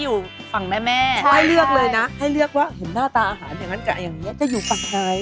วางปุ๊บนี่คือยำค่ะ